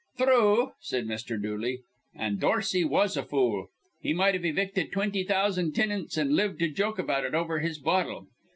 "Thrue," said Mr. Dooley. "An' Dorsey was a fool. He might've evicted twinty thousan' tinants, an' lived to joke about it over his bottle.